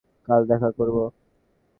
কাল দেখা করব।